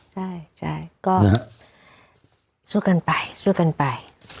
ใช่ใช่ก็สู้กันไปสู้กันไป